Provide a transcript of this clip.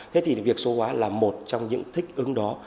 thế thì việc số hóa là một trong những thích ứng đó